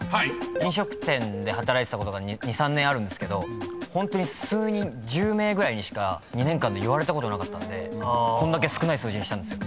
飲食店で働いてたことが２３年あるんですけどホントに数人１０名ぐらいにしか２年間で言われたことなかったんで少ない数字にしたんですよ。